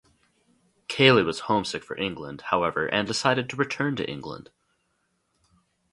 Caley was homesick for England, however, and decided to return to England.